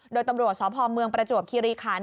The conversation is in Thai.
โดยตำรวจสพเมืองประจวบคิริคัน